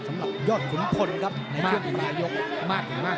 สำหรับยอดขุมพลครับในเวชีพิมพระยกน์มากที่มาก